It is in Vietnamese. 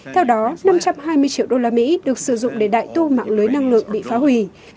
theo đó năm trăm hai mươi triệu đô la mỹ được sử dụng để đại tu mạng lưới năng lượng bị phá hủy